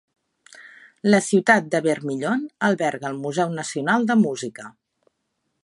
La ciutat de Vermillion alberga el Museu Nacional de Música.